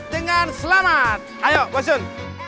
dengan selamat ayo bosun